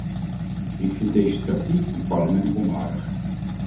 Ik vind deze tactiek een parlement onwaardig.